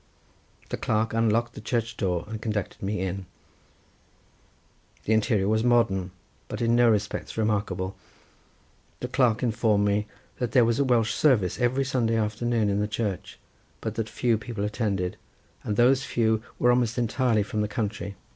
The clerk unlocked the church door, and conducted me in. The interior was modern, but in no respects remarkable. The clerk informed me that there was a Welsh service every Sunday afternoon in the church, but that few people attended, and those few were almost entirely from the country.